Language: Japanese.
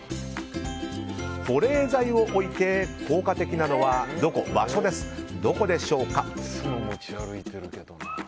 保冷剤を置いて効果的なのはどこでしょうか？